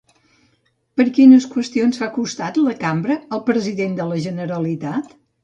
Per quines qüestions fa costat la cambra al president de la Generalitat?